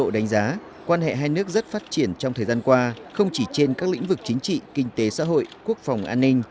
đề nghị hai nước rất phát triển trong thời gian qua không chỉ trên các lĩnh vực chính trị kinh tế xã hội quốc phòng an ninh